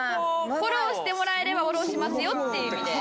フォローしてもらえればフォローしますよっていう意味で。